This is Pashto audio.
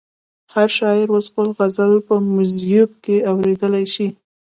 هر شاعر اوس خپل غزل په میوزیک کې اورېدلی شي.